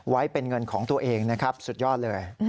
ไว้เป็นเงินของตัวเองนะครับสุดยอดเลย